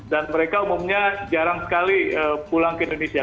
dan mereka umumnya jarang sekali pulang ke indonesia